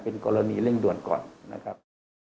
เป็นกรณีเร่งด่วนก่อนนะครับ